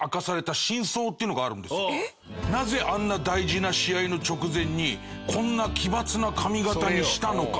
なぜあんな大事な試合の直前にこんな奇抜な髪形にしたのか。